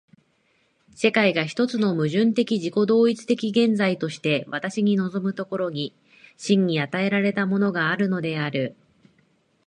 世界が一つの矛盾的自己同一的現在として私に臨む所に、真に与えられたものがあるのである。